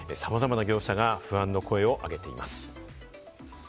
さまざまな業者が不安の声を上げています。